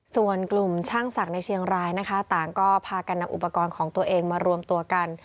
ส่วนกลุ่มช่างศักดิ์ในเชียงรายนะคะต่างก็พากันนำอุปกรณ์ของตัวเองมารวมตัวกัน